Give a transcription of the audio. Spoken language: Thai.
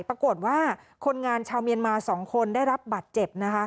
ปรากฏว่าคนงานชาวเมียนมา๒คนได้รับบัตรเจ็บนะคะ